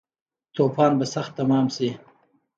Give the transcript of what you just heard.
توپان به سخت تمام شی